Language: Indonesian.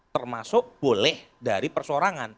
termasuk boleh dari persorangan